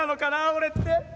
俺って」。